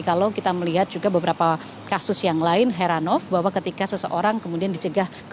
kalau kita melihat juga beberapa kasus yang lain heran off bahwa ketika seseorang kemudian dijaga ke bandagara reksa